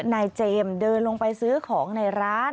นายเจมส์เดินลงไปซื้อของในร้าน